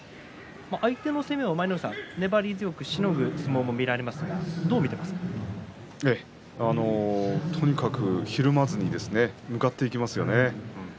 相手の攻めを粘り強くしのぐ相撲もとにかく、ひるまずに向かっていきますよね。